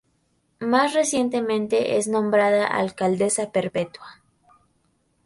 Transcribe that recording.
Más recientemente es nombrada Alcaldesa Perpetúa.